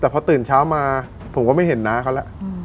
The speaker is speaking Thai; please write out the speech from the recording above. พอพ่อมาผมก็ไม่เห็นน้าเขาแล้ว